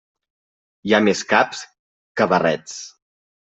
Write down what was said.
Hi ha més caps que barrets.